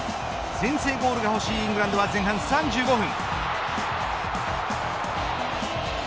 先制ゴールがほしいイングランドは前半３５分。